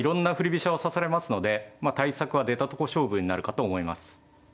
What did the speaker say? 飛車を指されますので対策は出たとこ勝負になるかと思います。